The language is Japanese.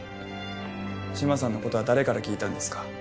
志摩さんのことは誰から聞いたんですか？